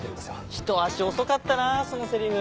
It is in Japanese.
ひと足遅かったなそのセリフ。